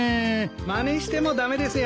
まねしても駄目ですよ。